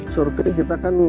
surfer kita kan